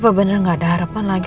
apa benar gak ada harapan lagi